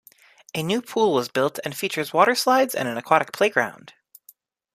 A new pool was built and features water slides and an aquatic playground.